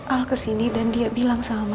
al kesini dan dia bilang sama